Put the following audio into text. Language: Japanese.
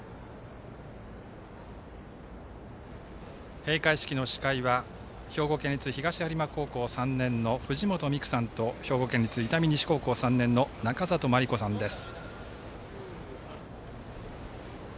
閉会式の司会は兵庫県立東播磨高校３年の藤本実久さんと兵庫県立伊丹西高校の仲里真璃子さんです。